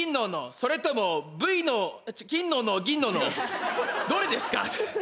それとも金の斧銀の斧どれですか？